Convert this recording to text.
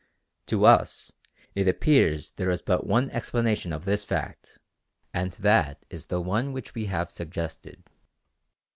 To us it appears there is but one explanation of this fact, and that is the one which we have suggested.